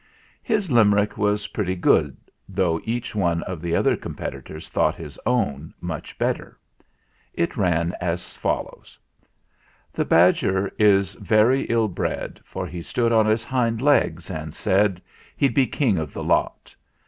His Limerick was pretty good, though each one of the other competitors thought his own much better. It ran as follows : The badger is very ill bred, For he stood on his hind legs and said He'd be king of the lot.